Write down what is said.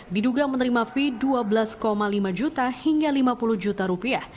diduga menerima fee rp dua belas lima juta hingga rp lima puluh juta